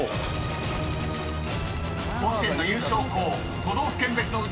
［甲子園の優勝校都道府県別のウチワケ］